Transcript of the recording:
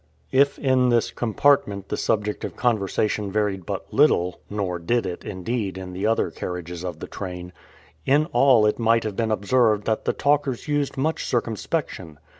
If in this compartment the subject of conversation varied but little nor did it, indeed, in the other carriages of the train in all it might have been observed that the talkers used much circumspection.